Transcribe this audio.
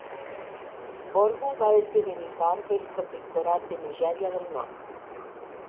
Borgu va esdevenir part del protectorat de Nigèria del Nord.